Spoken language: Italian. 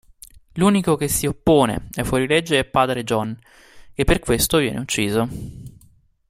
L'unico che si oppone ai fuorilegge è Padre John, che per questo viene ucciso.